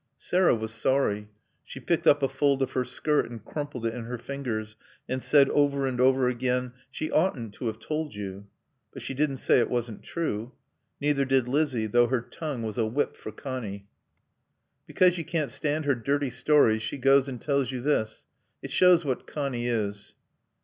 Sarah was sorry. She picked up a fold of her skirt and crumpled it in her fingers, and said over and over again, "She oughtn't to have told you." But she didn't say it wasn't true. Neither did Lizzie, though her tongue was a whip for Connie. "Because you can't stand her dirty stories she goes and tells you this. It shows what Connie is."